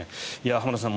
浜田さん